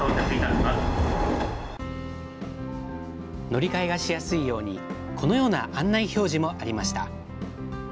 乗り換えがしやすいように、このような案内表示もありました。